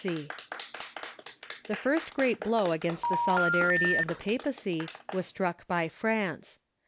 ] The first great blow against the solidarity of the j^apacy was struck by PVance.